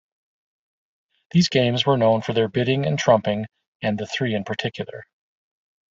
These games were known for their bidding and trumping and the three in particular.